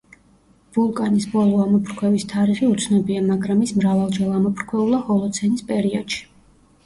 ვულკანის ბოლო ამოფრქვევის თარიღი უცნობია, მაგრამ ის მრავალჯერ ამოფრქვეულა ჰოლოცენის პერიოდში.